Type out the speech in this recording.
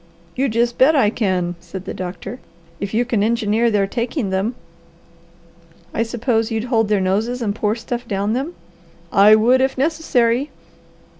"You just bet I can," said the doctor, "if you can engineer their taking them." "I suppose you'd hold their noses and pour stuff down them." "I would if necessary."